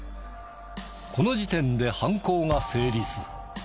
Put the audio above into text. この時点で犯行が成立。